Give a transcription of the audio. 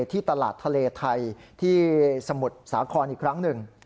ที่ตลาดทะเลไทยที่สมุทรสาครอีกครั้งหนึ่ง